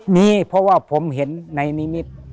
มีเพราะว่าผมเห็นในนิมิตร